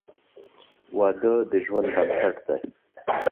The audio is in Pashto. • واده د ژوند بنسټ دی.